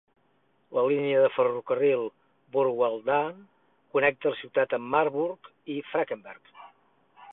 La línia de ferrocarril "Burgwaldbahn" connecta la ciutat amb Marburg i Frankenberg.